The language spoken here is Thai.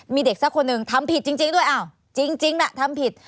มีเด็กสักคนหนึ่งทำผิดจริงด้วยอ้าวจริงน่ะทำผิด